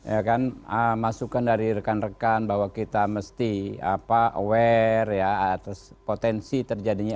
ya kan masukan dari rekan rekan bahwa kita mesti aware ya atas potensi terjadinya